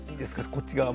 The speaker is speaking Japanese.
こっち側も。